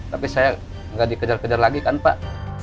tapi saya nggak dikejar kejar lagi kan pak